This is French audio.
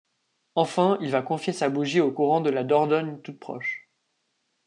Enfin, il va confier sa bougie au courant de la Dordogne toute proche.